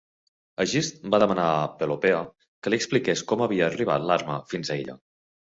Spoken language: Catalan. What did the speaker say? Egist va demanar a Pelopea, que li expliqués com havia arribat l'arma fins a ella.